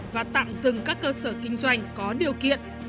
và tạm dừng các cơ sở kinh doanh có điều kiện